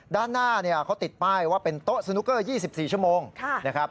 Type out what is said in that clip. ด้านหน้าเขาติดใบว่าเป็นโต๊ะสนุกเกอร์๒๔ชมนะครับ